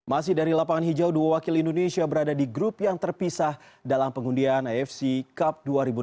masih dari lapangan hijau dua wakil indonesia berada di grup yang terpisah dalam pengundian afc cup dua ribu enam belas